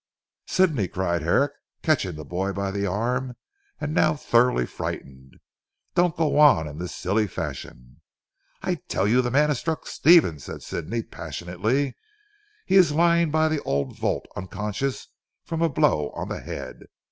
"Sidney," cried Herrick, catching the boy by the arm and now thoroughly frightened "don't go on in this silly fashion." "I tell you the man has struck Stephen," said Sidney passionately, "he is lying by the old vault unconscious from a blow on the head.